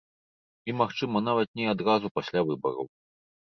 І, магчыма, нават не адразу пасля выбараў.